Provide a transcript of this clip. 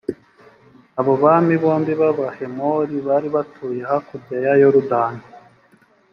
abo bami bombi b’abahemori bari batuye hakurya ya yorudani,